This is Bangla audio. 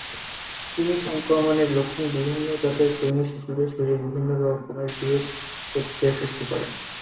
কৃমির সংক্রমণের লক্ষণবিভিন্ন জাতের কৃমি শিশুদের শরীরে বিভিন্ন ধরনের বিরূপ প্রতিক্রিয়ার সৃষ্টি করে।